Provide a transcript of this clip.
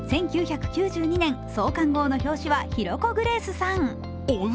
１９９２年、創刊号の表紙はヒロコ・グレースさん。